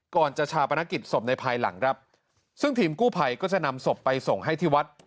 ก่อนจะชาปนกิจศพในภายหลังครับซึ่งทีมกู้ภัยก็จะนำศพไปส่งให้ที่วัด